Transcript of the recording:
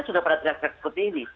sudah pada trias trias seperti ini